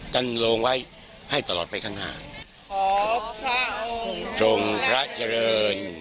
ทรงพระเจริญ